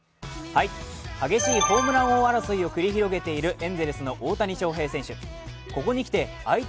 激しいホームラン王争いを繰り広げているエンゼルスの大谷翔平選手。